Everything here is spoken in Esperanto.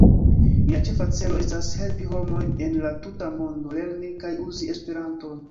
Nia ĉefa celo estas helpi homojn en la tuta mondo lerni kaj uzi Esperanton.